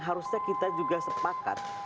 harusnya kita juga sepakat